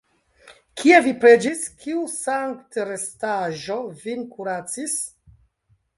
Kie vi preĝis, kiu sanktrestaĵo vin kuracis?